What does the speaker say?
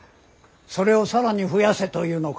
それを更に増やせというのか？